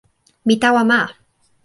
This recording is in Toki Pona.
mi tawa ma.